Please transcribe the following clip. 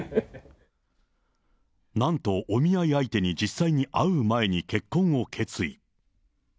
なんと、お見合い相手に実際に会う前に結婚を決意。